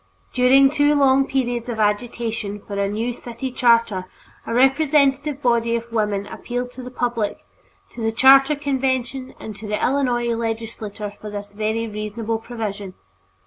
During two long periods of agitation for a new city charter, a representative body of women appealed to the public, to the charter convention, and to the Illinois legislature for this very reasonable provision.